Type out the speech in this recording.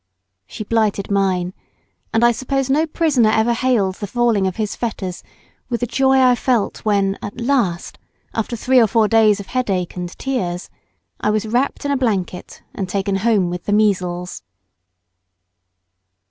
She blighted mine, and I suppose no prisoner ever hailed the falling of his fetters with the joy I felt when at last, after three or four days of headache and tears, I was wrapped in a blanket and taken home with the measles.